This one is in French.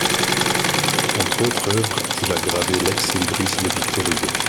Entre autres œuvres, il a gravé l'ex-libris de Victor Hugo.